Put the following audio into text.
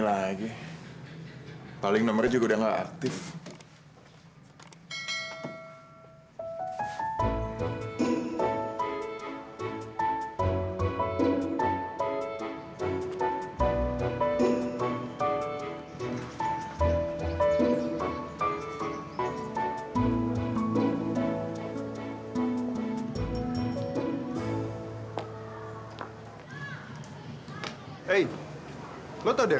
cobalah beberapa saat lagi